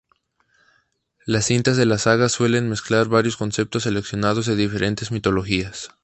Las cintas de la saga suelen mezclar varios conceptos seleccionados de diferentes mitologías.